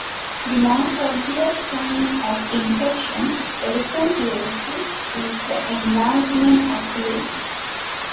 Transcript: The most obvious sign of infection, elephantiasis, is the enlargement of the limbs.